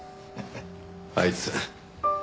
あいつ。